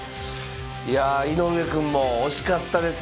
いや井上くんも惜しかったですね。